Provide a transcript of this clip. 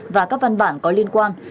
và các văn bản có liên quan